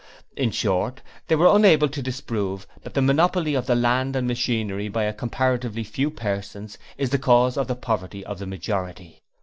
In short, they were unable to disprove that the monopoly of the land and machinery by a comparatively few persons, is the cause of the poverty of the majority.